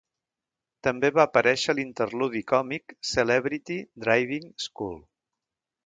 També va aparèixer a l'interludi còmic "Celebrity Driving School".